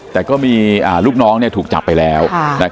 แต่ก็มีลูกน้องถูกจับไปแล้ว